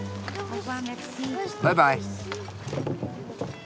バイバイ。